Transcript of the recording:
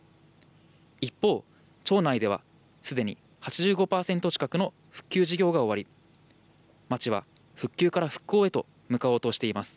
一方、町内ではすでに８５％近くの復旧事業が終わり、町は復旧から復興へと向かおうとしています。